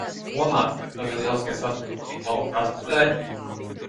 Domā, ka tavi lieliskie sasniegumi bija tavu prasmju dēļ?